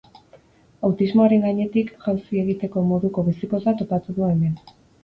Autismoaren gainetik jauzi egiteko moduko bizipoza topatu du hemen.